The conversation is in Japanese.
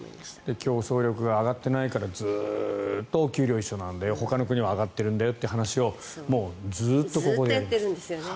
競争力が上がってないからずっとお給料一緒なんだよほかの国は上がってるんだよという話をずっとやってるんですよね。